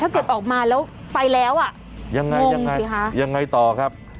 ถ้าเกิดออกมาแล้วไปแล้วอะงงสิฮะ